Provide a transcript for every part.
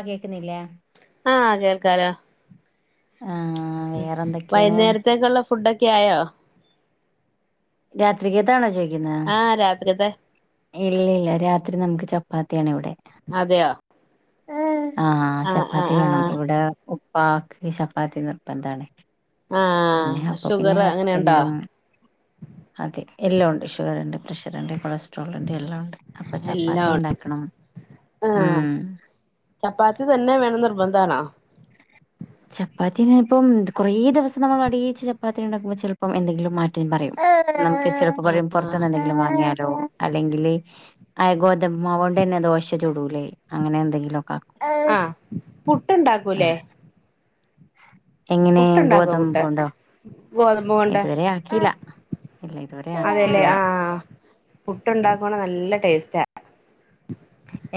ആഹ് കേൾക്കുന്നില്ലേ ആഹ് കേൾക്കാലോ ആ വേറെന്തൊക്കെയാണ് വൈകുന്നേരത്തേക്കുള്ള ഫുഡ് ഒക്കെ ആയോ രാത്രിക്കെത്തെ ആണോ ചോദിക്കുന്നത് ആഹ് രാത്രിത്തെ ഇല്ല ഇല്ല രാത്രി നമുക്ക് ചപ്പാത്തിയാണ് ഇവിടെ അതെയോ ആഹ് ചപ്പാത്തി ആഹ് വേണം ആഹ് ഇവിടെ ഉപ്പാക്ക് ചപ്പാത്തി നിർബദ്ധാണ് പിന്നെ ആഹ് അപ്പൊ പിന്നെ ഷുഗർ അങ്ങനെയുണ്ടോ ഹസ്ബൻഡും അതെ എല്ലാം ഉണ്ട് ഷുഗർണ്ട് പ്രെഷർണ്ട് കൊളസ്ട്രോൾണ്ട് എല്ലാം ഉണ്ട് അപ്പൊ എല്ലാം ചപ്പാത്തി ഉണ്ട് ഉണ്ടാക്കണം ഉം ആഹ് ചപ്പാത്തി തന്നെ വേണം നിർബന്ധമാണോ ചപ്പാത്തി ഇപ്പം കുറേ ദിവസം നമ്മൾ അടിയിച്ച് ചപ്പാത്തി ഉണ്ടാക്കുമ്പോൾ ചിലപ്പോം എന്തെങ്കിലും മാറ്റ പറയും നമുക്ക് ചെലേപ്പം പറയും ആഹ് പോറത്തുന്ന് എന്തെങ്കിലും വാങ്ങിയാലോ അല്ലെങ്കില് അയ് ഗോതമ്പ് മാവോണ്ടെന്നെ ദോശ ചുടൂലേ അങ്ങനെ എന്തെങ്കിലും ഒക്കെ ആഹ് പുട്ടുണ്ടാകൂല്ലേ എങ്ങനെ പുട്ടുണ്ടാക്കുവോ പുട്ട് ഗോതമ്പോണ്ടോ ഗോതമ്പ് കൊണ്ട് ഇതുവരേ ആക്കീല്ല ഇല്ല ഇതുവരെ- അതെല്ലേ ആക്കിട്ടില്ല ആഹ പുട്ടുണ്ടാക്കുവാണെ നല്ല ടേസ്റ്റ് ആ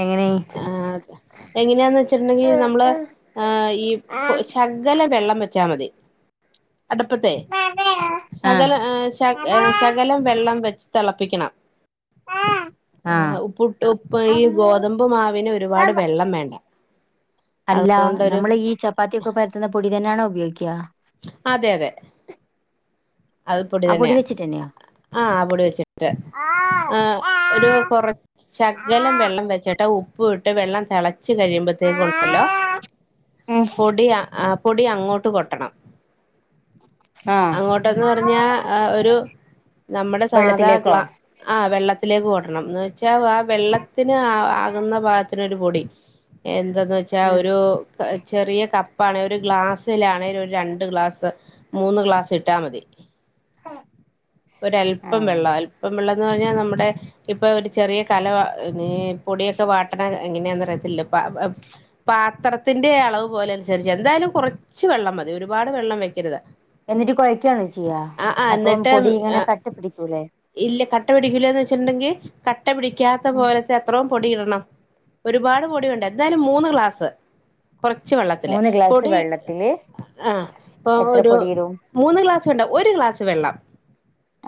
എങ്ങനെ ഈ ആഹ് അതെ എങ്ങനെയാന്ന് വെച്ചിട്ടുണ്ടെങ്കി നമ്മള് ആഹ് ഈ ശകല വെള്ളം വച്ചാൽ മതി അട്പ്പത്തെ ആ ശകല ഏഹ് ശക ശകലം വെള്ളം വെച്ച് തെളപ്പിക്കണം ഉ ആ ഉപ്പുട്ടാ ഈ ഉപ്പ് ഈ ഗോതമ്പ് മാവിന് ഒരുപാട് വെള്ളം വേണ്ട അല്ല അതുകൊണ്ടൊരു നമ്മള് ഈ ചപ്പാത്തി ഒക്കെ പര്ത്തുന്ന പൊടി തന്നെയാണോ ഉപയോഗിക്കാ അതെ അതെ അത് പൊടി ആ തന്നെയ വെച്ചിട്ട് തന്നെയോ ആ പൊടി വെച്ചിട്ട് ആ ഒരു കുറ ശകലം വെള്ളം വെച്ചിട്ട് ഉപ്പ് ഇട്ട് വെള്ളം തെള ച്ച് കഴിയുമ്പോത്തേക്കും ഉണ്ടല്ലോ പൊടി ആ പൊടി അങ്ങോട്ട് കൊട്ടണം ആഹ് ട്ടെന്ന് പറഞ്ഞാ ഒരു നമ്മുടെ സാധാ വെള്ളത്തിലേക്കോ ഗ്ലാ ആ വെള്ളത്തിലേക്ക് കൊട്ടണം ന്ന് വെച്ചാ ആ വെള്ളത്തിന് ആകുന്ന പാകത്തിനൊരു പൊടി എന്തന്ന് വെച്ചാ ഉം ഒരു ചെറിയ കപ്പാണെങ്കിൽ ഒരു ഗ്ലാസ്സിലാണെങ്കിൽ ഒരു രണ്ട് ഗ്ലാസ് മൂന്ന് ഗ്ലാസ് ഇട്ടാൽ മതി ആ ഒരല്പം വെള്ളം അല്പം വെള്ളം എന്ന് പറഞ്ഞാ നമ്മുടെ ഇപ്പൊ ഒരു ചെറിയ കല ഇ പൊടിയൊക്കെ വാട്ടണ എങ്ങനെയാന്നറിയത്തില്ല പാ പാത്രത്തിന്റെ അളവ് പോലെ അനുസരിച്ച് എന്തായാലും കൊറച്ച് വെള്ളം മതി ഒരുപാട് വെള്ളം വെക്കരുത് എന്നിട്ട് കൊയ്ക്കാണോ ചെയ്യാ ആ ആ അപ്പം എന്നിട്ട് പൊടി ആ ഇങ്ങനെ കട്ട പിടിക്കൂലേ ഇല്ല കട്ട പിടിക്കൂലാന്ന് വെച്ചിട്ടുണ്ടെങ്കി കട്ട പിടിക്കാത്ത ഉം പോലത്തത്രോം പൊടി ഇടണം ഒരുപാട് പൊടിവേണ്ട എന്തായാലും മൂന്ന് ഗ്ലാസ് കൊർച്ച് വെള്ളത്തില് മൂന്ന് ഗ്ലാസ് പൊടി വെള്ളത്തില് ആ അപ്പൊ എത്ര ഒരു പൊടിയിടും മൂന്ന് ഗ്ലാസ് വേണ്ട ഒരു ഗ്ലാസ് വെള്ളം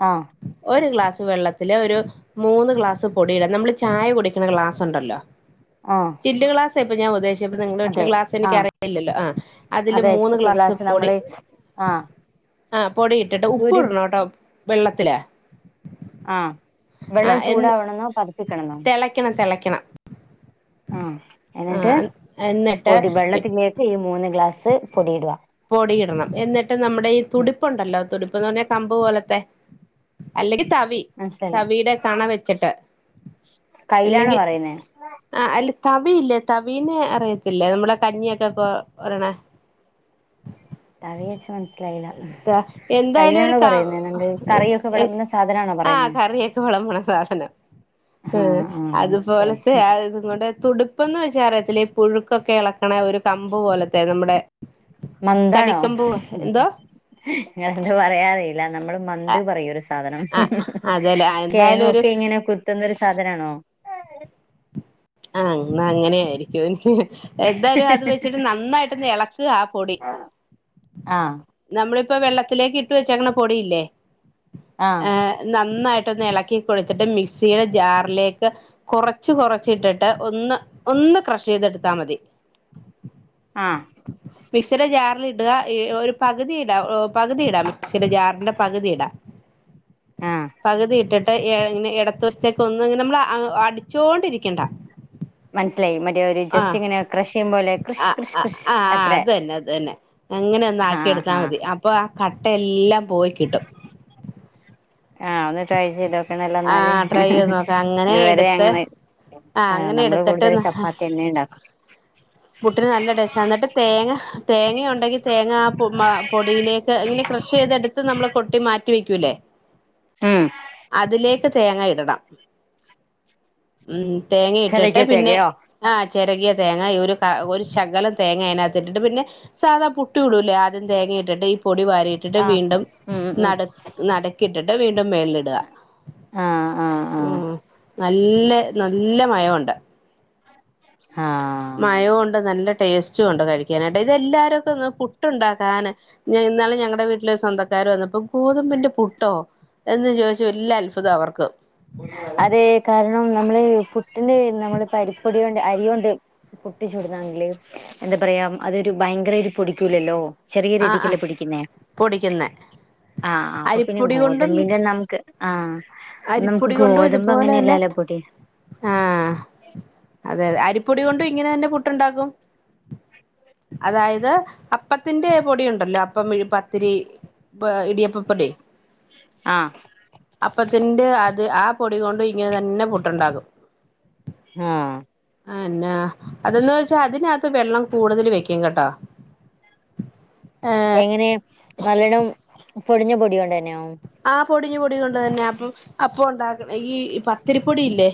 ആഹ് ഒരു ഗ്ലാസ് വെള്ളത്തില് ഒരു മൂന്ന് ഗ്ലാസ് പൊടിയിടാ നമ്മള് ചായ കുടിക്കണ ഗ്ലാസ് ഉണ്ടല്ലോ ആഹ് ചില്ല് ഗ്ലാസാ ഇപ്പം ഞാ ഉദേശി നിങ്ങളുടെ വീട്ടിലെ ഗ്ലാസ്സ് ആ എനിക്കറിയില്ലല്ലോ ആ അതില് അതെ മൂന്ന് കുപ്പി ഗ്ലാസ് പൊടി നമ്മള് ആ ആ പൊടി ഇട്ടിട്ട് ഉപ്പ് ഒരു ഇടണോട്ടോ വെള്ളത്തിലെ ആഹ് വെള്ളം ചൂടാവണെന്നോ പതപ്പിക്കണെന്നോ തിളയ്ക്കണം തിളയ്ക്കണം ആഹ് എന്നിട്ട് ആ പൊടി എന്നിട്ട് ബള്ളത്തിലി ഈ മൂന്ന് ഗ്ലാസ് പൊടി ഇടുവാ പൊടി ഇടണം എന്നിട്ട് നമ്മുടെ ഈ തുടിപ്പുണ്ടല്ലോ തുടുപ്പ്ന്ന് പറഞ്ഞാൽ കമ്പ് പോല ത്തെ അല്ലെങ്കി തവി മനസ്സിലായില്ലേ തവീടെ കണ വെച്ചിട്ട് കയ്യിലാണോ അല്ലെങ്കി പറയുന്നേ ആ അല്ല തവിയില്ലേ തവീനെ അറിയത്തില്ലേ നമ്മള കഞ്ഞിയൊക്കെ കോരണ തവീച്ച് മൻസ് ത്ത എന്തായാലും ഒരു കാ പറയുന്നേ നമ്മള് കറിയൊക്കെ വിളമ്പുന്ന സാധനാണോ ആഹ് പറയുന്നേ കറിയ വെളമ്പണ സാധനം ആ ആ ഓക്കെ അതുപോലത്തെ അത് അങ്ങണ്ട് തുടുപ്പ്ന്ന് വെച്ചാ അറിയത്തില്ലെ ഈ പുഴുക്കൊക്കെ എളക്കണ ഒരു കമ്പ് പോലത്തെ നമ്മടെ മന്താണോ എന്ത പറയാറീല്ല നമ്മള് മന്ത്‌ പറയൊരു സാധനം ആ അതെല്ലേ എന്തായാലും ഒരു കേഴങ്ങൊക്കെ ഇങ്ങനെ കുത്തുന്നൊരു സാധനാണോ ആ ന്നാ അങ്ങനെയായിരിക്കും എന്തായാലും അത് വെച്ചിട്ട് നന്നായിട്ടൊന്ന് എള ക്കാ ആ പൊടി ആഹ് നമ്മളിപ്പോ വെള്ളത്തിലേക്ക് ഇട്ട് വെച്ചേക്ക്‌ണ പൊടിയില്ലേ ആഹ് ഏ നന്നായിട്ടൊന്ന് ഇളക്കി കൊഴച്ചിട്ട് മിക്സിയുടെ ജാറിലേക്ക് കുറച്ച് കുറച്ചിട്ടി ട്ട് ഒന്ന് ഒന്ന് ക്രഷ് ചെയ്തെടുത്താ മതി ആഹ് മിക്സിയുടെ ജാറില് ഇട എ ഒരു പകുതി ഇടാ ഒ പകുതി ഇടാ മിക്സിന്റെ ജാറിന്റെ പകുതി ഇടാ ആഹ് പകുതി ഇട്ടിട്ട് എ എടത്ത് വശ്ത്തേക്ക് ഒന്ന് ഇങ്ങനെ നമ്മള് അടിച്ചോണ്ടിരിക്കണ്ട മനസ്സിലായി മറ്റേ ഒരു ജസ്റ്റ് ആഹ് ഇങ്ങനെ ക്രഷ് ചെയ്യും പോലെ ക്രഷ് ക്രഷ് ക്രഷ് അത്രേ പിന്നെ അത തന്നെ അങ്ങനെ ഒന്ന് ആഹ് ആക്കി എടുത്താൽ മതി ആഹ് അപ്പോ ആഹ് കട്ട എല്ലാം പോയി കിട്ടും ആഹ് ഒന്ന് ട്രൈ ചെയ്തോ ല്ല ല്ലോ ആ എന്നാല് ട്രൈ ചെയ്ത് നോക്കാം അങ്ങനെ ഇതുവരെ എടുത്ത് അങ്ങനെ ആ അങ്ങനെ നമ്മള് എടുത്തിട്ട് കൂടുതൽ ചപ്പാത്തി എന്നെണ്ടാക്കും പുട്ടിന് നല്ല ടെസ്റ്റാ എന്നിട്ട് തേങ്ങ തേങ്ങ ഉണ്ടെങ്കിൽ തേങ്ങ ആ മ പൊടിയിലേക്ക് ഇങ്ങനെ ക്രഷ് ചെയ്തെടുത്ത് നമ്മളെ കൊട്ടി മാറ്റി വെക്കൂല്ലേ ഉം അതിലേക്ക് തേങ്ങ ഇടണം ഉം തേങ്ങ ഇട്ടിട്ട് ചിലയ്ക്ക് പിന്നെ തികയോ ആഹ് ചെരകിയ തേങ്ങ ഒരു ഒരു ശകലം തേങ്ങ അതിനകത്തിട്ട് പിന്നെ സാധാ പു ട്ട് ഇടൂലേ ആദ്യം തേങ്ങയിട്ടിട്ട് ഈ പൊടി വാരിട്ടിട്ട് ആഹ് വീണ്ടും ഉം ഉം നട നട കിട്ടിട്ട് വീണ്ടും മേലിടുക ആഹ് ആഹ് ഉം ആഹ് നല്ല നല്ല മയോണ്ട് ആഹ് മയോണ്ട് നല്ല ടേസ്റ്റ് ച്ചുംണ്ട് കഴിക്കാനായിട്ട് ഇത് എല്ലാരത്തുന്നും പുട്ടുണ്ടാക്കാന് ഞ ഇന്നാല് ഞങ്ങളുടെ വീട്ടില് സ്വന്തക്കാര് വന്നപ്പോ ഗോതമ്പിന്റെ പുട്ടോ എന്ന് ചോദിച്ചു വല്യ അത്ഭുതം അവർക്ക് അതെ കാരണം നമ്മള് പുട്ടിന്റെ നമ്മള് അരിപ്പൊടിയൊണ്ട് അരിയോണ്ട് പുട്ട് ചുടുന്നാണെങ്കില് എന്താ പറയാ അതൊരു ഭയങ്കര ഒരു പൊടിക്കൂലല്ലോ ചെറിയ ആഹ് രീതിക്കല്ലേ ആഹ് പൊടിക്കുന്നേ പൊടിക്കുന്നെ ആഹ് ആഹ് അപ്പോ പിന്നെ അരിപ്പൊടി കൊണ്ടും ഗോതമ്പിന്റെ നമുക്ക് ആഹ് നമുക്ക് അരിപ്പൊടി കൊണ്ടും ഗോതമ്പ് ഇതുപോലെ തന്നെ അങ്ങനെല്ലല്ലോ പൊടി ആഹ് അതെയതെ അരിപ്പൊടിയോണ്ടും ഇങ്ങനെ തന്നെ പുട്ടുണ്ടാക്കും അതായത് അപ്പത്തിന്റെ പൊടി ഉണ്ടല്ലോ അപ്പം ഇഴ് പത്തിരി പ്പ് ഇടിയപ്പപൊടി ആഹ് അപ്പത്തിന്റെ അത് ആഹ് പൊടി കൊണ്ട് ഇങ്ങനെ തന്നെ പുട്ടുണ്ടാകും ആഹ് അയന്നെ അതന്ന് വെച്ചാ അതിനകത്ത് വെള്ളം കൂടുതൽ വെക്കും കേട്ടോ [inaudible] എങ്ങനെ നല്ലോണ്ണം പൊടിഞ്ഞ പൊടിയോണ്ട ന്നെയൊ ആഹ് പൊടിഞ്ഞ പൊടി കൊണ്ട് തന്നെ അപ്പം അപ്പോ ഉണ്ടാക്ക്ണ ഈ പത്തിരിപ്പൊടിയില്ലേ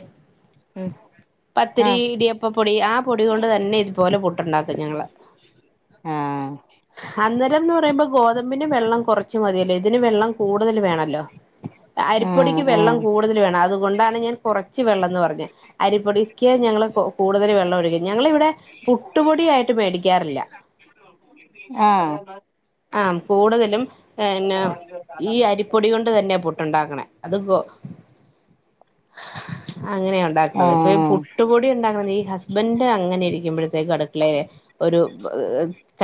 [inaudible] പത്തിരി ആഹ് ഇടിയപ്പപ്പൊടി ആഹ് പൊടി കൊണ്ട് തന്നെ ഇതുപോലെ പുട്ടുണ്ടാക്കും ഞങ്ങളൾ ആഹ് അനേരം എന്ന് പറയുമ്പോ ഗോതമ്പിന് വെള്ളം കുറച്ച് മതിയല്ലോ ഇതിന് വെള്ളം കൂടുതൽ വേണല്ലോ അരിപ്പൊടിക്ക് ആഹ് വെള്ളം കൂ കൂടുതൽ വേണം അതുകൊണ്ടാണ് ഞാൻ കുറച്ച് വെള്ളം എന്ന് പറഞ്ഞേ അരിപ്പൊടിക്ക് ഞങ്ങൾ കൂടുതൽ വെള്ളം ഒഴിക്കും ഞങ്ങൾ ഇവിടെ പുട്ടുപൊടിയായിട്ട് മേടിക്കാറില്ല ആഹ് ആഹ് കൂടുതലും ഏന്നെ ഈ അരി പൊടികൊണ്ട് തന്നെയാ പുട്ടുണ്ടാക്കണേ അത്പ്പോ അങ്ങനെയു ഉണ്ടാക്ക്‌ണത് ഇപ്പീ ആഹ് പുട്ടുപൊടിയ്ണ്ടാക്കണതീ ഹസ്ബന്റ് അങ്ങനെയിരിക്കുമ്പഴത്തേക്ക് അടുക്കളയില് ഒരു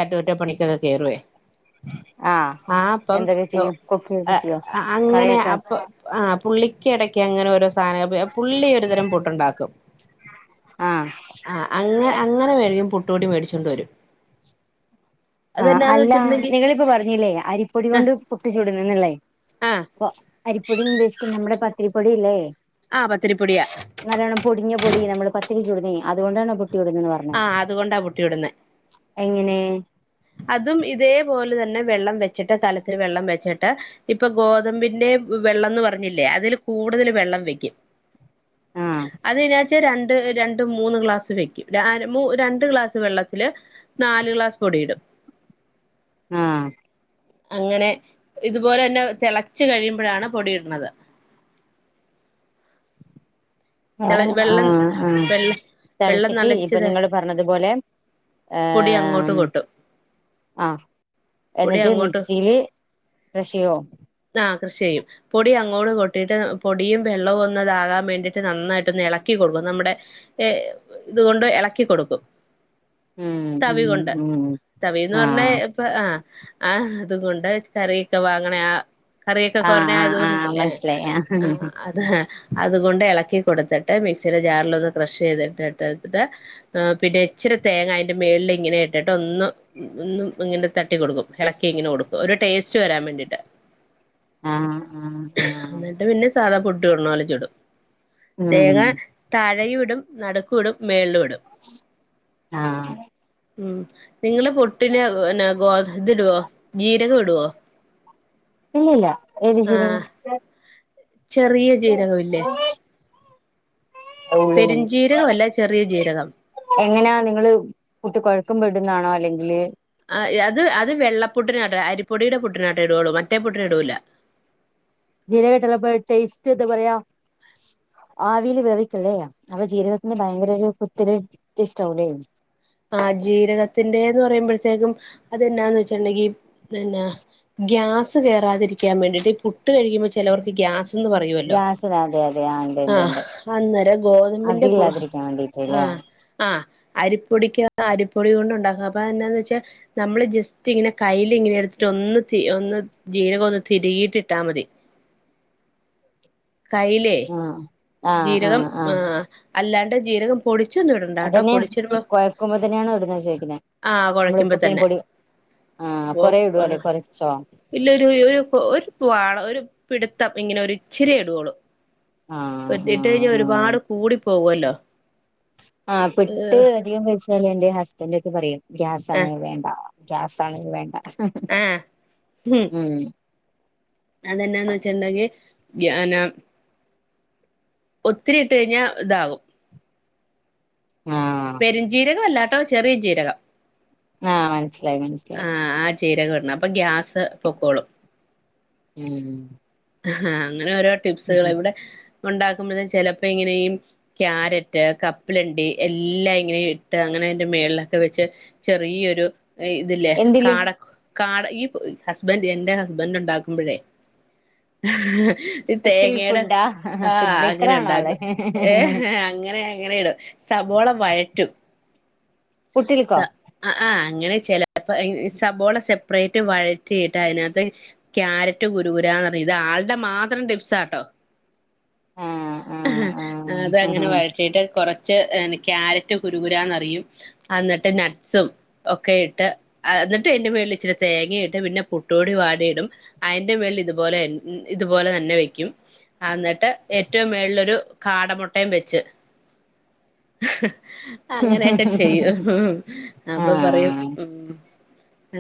അറ്റകുറ്റപ്പണിക്കൊക്കെ കേറുവേ ആഹ് ആ അപ്പം എന്തൊക്കെ ചെയ്യും കുക്കിങ്ങൊക്കെ ചെയ്യോ കറിയൊക്കെ ആഹ് പുള്ളിക്കെടക്കങ്ങനോരോ പുള്ളി ഒരുതരം പുട്ടുണ്ടാക്കും ആഹ് ആഹ് അങ്ങന അങ്ങന മേടിക്കും പുട്ടുപൊടി മേടിച്ചൊണ്ടരും ആഹ് അല്ല വെച്ചിട്ടുണ്ടെങ്കി നിങ്ങളിപ്പ പറഞ്ഞില്ലേ അരിപ്പൊടികൊണ്ട് പുട്ട് ചുടുന്നെന്നല്ലേ ആഹ് അപ്പൊ അരിപ്പൊടിന്നുദ്ദേശിക്കുന്നെ നമ്മുടെ പത്തിരിപ്പൊടിയില്ലേ ആ പത്തിരിപ്പൊടിയാ നല്ലോണം പൊടിഞ്ഞ പൊടി നമ്മള് പത്തിരി ചുടുന്നേ അതുകൊണ്ടാണോ പുട്ട് ചുടുന്നെന്ന് പറഞ്ഞെ ആഹ് അതുകൊണ്ടാ പുട്ട് ചുടുന്നെ എങ്ങനെ അതും ഇതേപോലെതന്നെ വെള്ളം വെച്ചിട്ട് കലത്തില് വെള്ളം വെച്ചിട്ട് ഇപ്പൊ ഗോതമ്പിന്റെ വെള്ളംന്ന് പറഞ്ഞില്ലേ അതില് കൂടുതല് വെള്ളം വെക്കും ആഹ് അത് ഞാൻ രണ്ട് രണ്ട്മൂന്ന് ഗ്ലാസ് വെക്കും രണ്ട് ഗ്ലാസ് വെള്ളത്തില് നാല് ഗ്ലാസ് പൊടിയിടും ആഹ് അങ്ങനെ ഇതുപോലെന്നെ തെളച്ച് കഴിയുമ്പഴാണ് പൊടിയിട്ണത് തെള ആഹ് വെള്ളം ആഹ് ആഹ് വെള്ളം വെള്ളം തെളച്ചിട്ട് ഇപ്പൊ നലച്ചത് നിങ്ങള് പറഞ്ഞതുപോലെ പൊടിയങ്ങോട്ട് കൊട്ടും ആ പൊടി എന്നിട്ട് അങ്ങോട്ട് മിക്സില് ക്രഷെയ്യോ ആഹ് ക്രഷെയ്യും പൊടിയങ്ങോട് കൊട്ടിട്ട് പൊടിയും വെള്ളവും ഒന്നതാകാൻ വേണ്ടിട്ട് നന്നായിട്ടൊന്നെളക്കിക്കൊടുക്കും നമ്മുടെ ഏഹ് ഇതുകൊണ്ട് എളക്കികൊടുക്കും ഉം തവികൊണ്ട് ഉം ഉം തവിന്ന് പറഞ്ഞ ആഹ് ഇപ്പ ആ ആ അതുകൊണ്ട് കറിയൊക്കെ വാങ്ങണ ആ കറിയൊക്കെ ആഹ് ആഹ് ആഹ് കൊരണയത്ണ്ടല്ലേ മനസ്സിലായി ആഹ് ആ അത് അത്കൊണ്ടെള ക്കി കൊടുത്തിട്ട് മിക്സിടെ ജാറിലൊന്ന് ക്രഷെയ്തിട്ട്ട്ടിട്ട് ആ പിന്നെ ഇച്ചിര തേങ്ങ അയിന്റെ മേളിലിങ്ങനെയിട്ടിട്ട് ഒന്ന് ഒന്നും ഇങ്ങനെ തട്ടി കൊടുക്കും ഇളക്കിയിങ്ങനെ കൊടുക്കും ഒരു ടേസ്റ്റ് വരാൻ വേണ്ടീട്ട് ആഹ ആഹ് ആഹ എന്നിട്ട് പിന്നെ സാധാ പുട്ട് ചുട്ണപോലെ ചൂടും തേങ്ങ ഉം താഴെയുഇടും നട്ക്കും ഇടും മേളിലും ഇടും ആഹ് ഉം നിങ്ങള് പുട്ടിന് പിന്നെ ഗോ ഇത്ഇടുവോ ജീരകം ഇടുവോ ഇല്ലില്ല ഏത് ജീരകം ആഹ് ചെറിയ ജീരകം ഇല്ലേ ഉള്ളിലാണ് പെരുംജീരകം അല്ല ചെറിയ ജീരകം എങ്ങനാ നിങ്ങള് പുട്ട് കൊഴക്കുമ്പിടുന്നാണോ അല്ലെങ്കില് ആ അത് അത് വെള്ളപ്പുട്ടിനാട്ടൊ അരിപ്പൊടിടെ പുട്ടിനാട്ടോ ഇട്ഒള്ളൂ മറ്റേ പുട്ടിന്ടൂല ജീരക്ട്ട്ടാലപ്പൊ ടേസ്റ്റ് എന്താ പറയാ ആവിയിൽ വേവിക്കിലേ അപ്പൊ ജീരകത്തിന് ഭയങ്കരൊരു കുത്തല് ടേസ്റ്റാവൂലേ ആ ജീരകത്തിന്റെന്ന് പറയുമ്പഴത്തേക്കും അതെന്നാന്ന് വെച്ച്ട്ട്ണ്ടെങ്കി പിന്നാ ഗ്യാസ് കേറാതിരിക്കാൻ വേണ്ടിട്ട് ഈ പുട്ട് കഴിക്കുമ്പൊ ചെലോർക്ക് ഗ്യാസ് ന്ന് പറയുഅല്ലോ ഗ്യാസിന് അതെ അതെ ആ ഉണ്ട് ഉണ്ട് ആഹ് ഉണ്ട് അന്നേരം ഗോതമ്പിന്റെ പു അതില്ലാതിരിക്കാൻ വേണ്ടീട്ടല്ലേ ആഹ് ആഹ് അരിപ്പൊടിക്ക്‌ അരിപ്പൊടി കൊണ്ടുണ്ടാക്കും അപ്പതെന്നാന്ന് വെച്ചാ നമ്മള് ജെസ്റ്റിങ്ങനെ കയ്യിലിങ്ങനെടുത്തിട്ട് ഒന്ന് തി ഒന്ന് ജീരകം ഒന്ന് തിരികീട്ട് ഇട്ടാ മതി കയ്യിലെ ആഹ് ജീരകം ആഹ് അല്ലാണ്ട് ജീരകം പൊടിച്ചൊന്നും ഇടണ്ടാട്ടോ അതന്നെ പൊടിച്ചിടുമ്പോ കൊയക്കുമ്പോ തന്നെയാണ് എവിടുന്ന ചോയിക്കുന്നെ ആഹ് നമ്മള് കുഴയ്ക്കുമ്പോ തന്നെ പുട്ടിൻപൊടി ആഹ് ഓ കൊറെടുവോ അല്ലെ ആഹ് കൊറച്ചോ ഇല്ല ഒരു ഒരു ഒരു ഒരു വാള ഒരു പിടുത്തം ഇങ്ങനെ ഒരു ഇച്ചിര്യേ ഇടുവോളൂ ആ ആ ഇട്ട് കഴിഞ്ഞ ആ ഒരുപാട് കൂടി പോവുഅല്ലോ ആഹ് പെട്ട് അധികംകഴിച് പോലെ എന്റെ ഹസ്ബൻഡ് ഒക്കെ പറയും ഗ്യാസ് ആണ് ആഹ് അത് വേണ്ട ഗ്യാസ് ആണ് അത് വേണ്ട ആഹ് ഹും ഉം അതെന്നാന്ന് വെച്ചിട്ടുണ്ടെങ്കിൽ ഒത്തിരി ഇട്ട് കഴിഞ്ഞാ ഇതാകും ആഹ് പെരുഞ്ജീരകം അല്ലാട്ടോ ചെറിയ ജീരകം ആഹ് മനസ്സിലായി മനസ്സിലായി ആഹ് ആഹ് ജീരകം ഇടണം അപ്പൊ ഗ്യാസ് പൊക്കോളും. ഉം ആഹ് അങ്ങനെ ഓരോ ടിപ്സുകളേ ഇവിടെ ഉണ്ടാക്കുമ്പോഴും ചെലപ്പോ ഇങ്ങനെയും ക്യാരറ്റ് കപ്പലണ്ടി എല്ലാം ഇങ്ങനെ ഇട്ട് അങ്ങനെ അയിന്റെ മേളിലൊക്കെ വെച്ച് ചെറിയൊരു ഇതില്ലേ എന്തില് കാട കാട ഈ പൊ ഹസ്ബൻഡ് എന്റെ ഹസ്ബൻറ് ഉണ്ടാക്കുമ്പോഴേ ഈ സ്പെഷ്യൽ തേങ്ങയുടെ ഫുഡാ ഫുഡ് ആഹ് അങ്ങനെ മേക്കറാണോ ആള് ഉണ്ടാക്കും ഏഹ് അങ്ങനെ അങ്ങനെയിടും സബോള വഴറ്റും പുട്ടിൽ ക്കോ അഹ് ആഹ് അങ്ങനെ ചെലപ്പ ഇൻ സബോള സെപ്പറേറ്റ് വഴറ്റിയിട്ട് അതിനകത്ത് ക്യാരറ്റ് കുരുകുരാന്നറിയിത് ഇത് ആളുടെ മാത്രം ടിപ്സാട്ടോ ആഹ് ആഹ് അത് അങ്ങനെ ആഹ് വഴറ്റിയിട്ട് കുറച്ച് ക്യാരറ്റ് കുരുകുരാന്നറിയും ആന്നിട്ട് നട്സും ഒക്കെ ഇട്ട് ആഹ് എന്നിട്ട് എന്റെ മേള്ൽ ഇച്ചിരി തേങ്ങയിട്ട് പിന്നെ പുട്ടോടി വാരിയിടും അയിന്റെ മേളില് ഇതുപോലെന്നെ ഇതുപോലെ തന്നെ വെക്കും ആന്നിട്ട് ഏറ്റോം മേളിലൊരു കാടമുട്ടയും വെച്ച് അങ്ങനെയൊക്കെ ചെയ്യും ഹും അപ്പൊ പറയും ആഹ് ഉം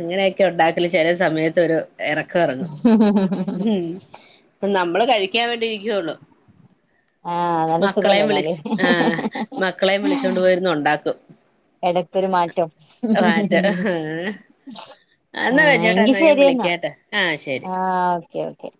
അങ്ങനെയൊക്കെ ഉണ്ടാക്കല് ചില സമയത്ത് ഒരു ഇറക്കം ഇറങ്ങും പ്പം നമ്മള് കഴിക്കാൻ വേണ്ടിയിരിക്കുവൊള്ളു ആഹ് നല്ല സുഖല്ലേ മക്കളെയും എന്നാല് വിളിച്ച് ആഹ് മക്കളെയും വിളിച്ചോണ്ട് പോയിരുന്നു ഉണ്ടാക്കും. എടക്കൊരു മാറ്റം ഏഹ് ആഹ് എങ്കി ശരിയെന്നാ വിളിക്കാട്ടോ ആഹ് ശരി ആഹ് ഓക്കേ ഓക്കെ